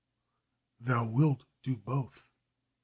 "Thou wilt do both."